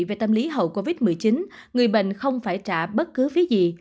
về tâm lý hậu covid một mươi chín người bệnh không phải trả bất cứ gì